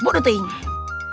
bodo teh ingat